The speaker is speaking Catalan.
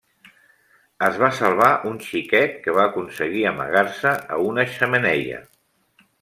Es va salvar un xiquet que va aconseguir amagar-se a una xemeneia.